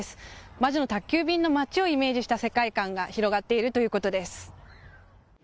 魔女の宅急便の街をイメージした世界観が広がっているということです。